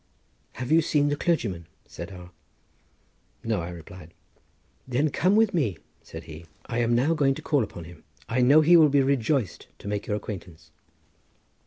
"Have you seen the clergyman?" said R—. "No," I replied. "Then come with me," said he; "I am now going to call upon him. I know he will be rejoiced to make your acquaintance."